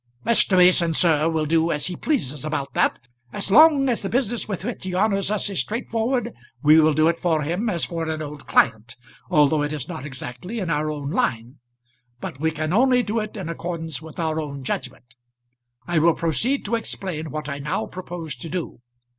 "Mr. Mason, sir, will do as he pleases about that. As long as the business with which he honours us is straight forward, we will do it for him, as for an old client, although it is not exactly in our own line. But we can only do it in accordance with our own judgment. I will proceed to explain what I now propose to do.